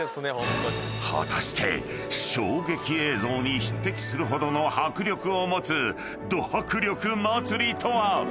［果たして衝撃映像に匹敵するほどの迫力を持つド迫力祭りとは⁉］